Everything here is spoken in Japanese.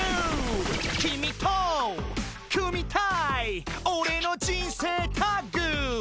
「君と組みたいオレの人生タッグ」